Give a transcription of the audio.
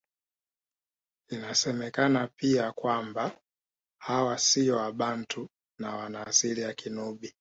Inasemekana pia kwamba hawa siyo Wabantu na wana asili ya Kinubi